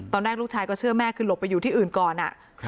ตอนแรกลูกชายก็เชื่อแม่คือหลบไปอยู่ที่อื่นก่อนอ่ะครับ